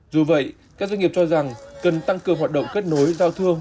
dù vậy các doanh nghiệp cho rằng cần tăng cường hoạt động kết nối rau thơm